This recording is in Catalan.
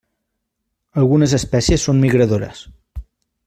Algunes espècies són migradores.